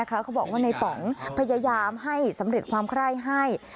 เขาบอกว่าในป๋องพยายามให้สำเร็จความไคร้ให้